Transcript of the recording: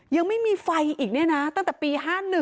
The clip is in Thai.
ยังไม่มีไฟอีกเนี่ยนะตั้งแต่ปี๕๑